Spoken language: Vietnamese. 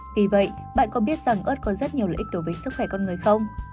vì vậy bạn có biết rằng ớt có rất nhiều lợi ích đối với sức khỏe con người không